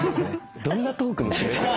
どんなトーク。